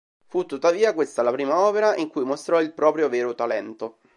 Fu tuttavia questa la prima opera in cui mostrò il proprio vero talento.